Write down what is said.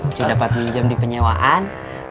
sudah dapat pinjam di penyewaan